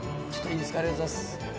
ありがとうございます。